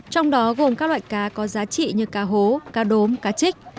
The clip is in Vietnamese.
trong đó gồm các loại cá có giá trị như cá hố cá đốm cá trích